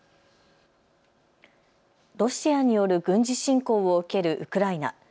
ロシアによる軍事侵攻を受けるウクライナ。